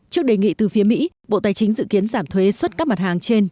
trước đề nghị từ phía mỹ bộ tài chính dự kiến giảm thuế xuất các mặt hàng trên